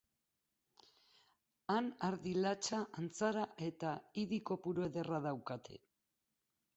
Han, ardi latxa, antzara eta idi kopuru ederra daukate.